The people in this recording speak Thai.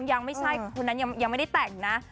ยังไม่ใช่คนนั้นยังไม่ได้แต่งนะ